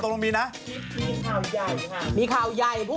สองรอบแล้ว